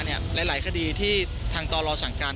หลายคดีที่ทางต่อรอสั่งการ